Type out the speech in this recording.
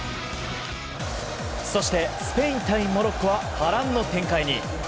そしてスペイン対モロッコは波乱の展開に。